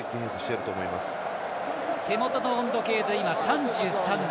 手元の温度計で３３度。